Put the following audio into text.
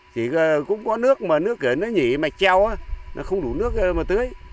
chỉ cũng có nước mà nước kia nó nhỉ mạch treo nó không đủ nước mà tưới